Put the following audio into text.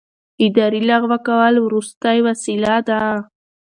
اداري لغوه کول وروستۍ وسیله ده.